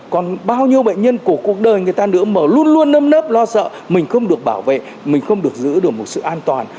còn bao nhiêu bệnh nhân của cuộc đời người ta nữa mà luôn luôn nâm nớp lo sợ mình không được bảo vệ mình không được giữ được một sự an toàn